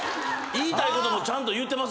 言いたいこともちゃんと言ってます